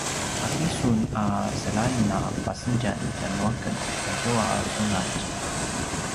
’aki sun a selaing a pasedjam tjanuaken tazua a sunatj?